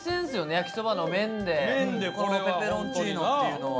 焼きそばの麺でこのペペロンチーノっていうのは。